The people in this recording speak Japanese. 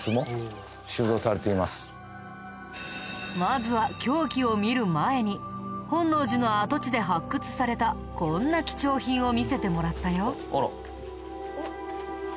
まずは凶器を見る前に本能寺の跡地で発掘されたこんな貴重品を見せてもらったよ。